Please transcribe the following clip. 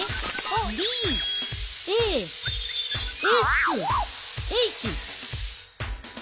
ＤＡＳＨ。